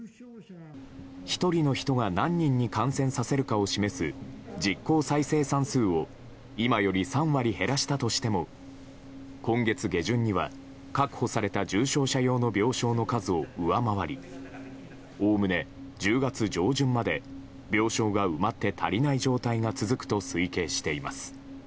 １人の人が何人に感染させるかを示す実効再生産数を今より３割減らしたとしても今月下旬には確保された重症者用の病床の数を上回りおおむね１０月上旬まで病床が埋まって足りない状態が続くと推計しています。